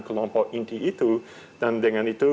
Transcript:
kelompok inti itu dan dengan itu